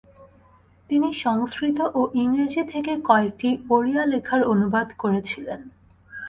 তিনি সংস্কৃত ও ইংরেজি থেকে কয়েকটি ওড়িয়া লেখার অনুবাদ করেছিলেন।